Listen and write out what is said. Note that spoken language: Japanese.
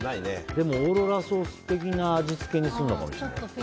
でもオーロラソース的な味付けにするのかな。